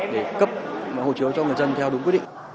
để cấp hộ chiếu cho người dân theo đúng quyết định